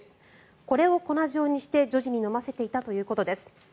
これを粉状にして女児に飲ませていたということです。